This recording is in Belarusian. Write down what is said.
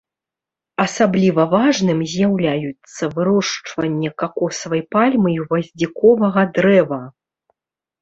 Асабліва важным з'яўляюцца вырошчванне какосавай пальмы і гваздзіковага дрэва.